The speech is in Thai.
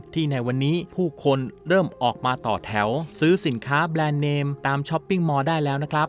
ในวันนี้ผู้คนเริ่มออกมาต่อแถวซื้อสินค้าแบรนด์เนมตามช้อปปิ้งมอร์ได้แล้วนะครับ